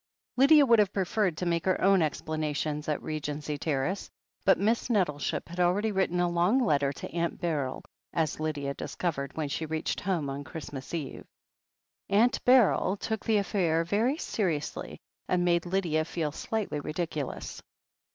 Lydia would have preferred to make her own ex planations at Regency Terrace, but Miss Nettleship had already written a long letter to Aunt Beryl, as Lydia discovered when she reached home on Christmas Eve. Aunt Beryl took the affair very seriously, and made Lydia feel slightly ridiculous.